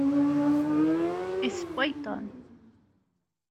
Issewway Tom.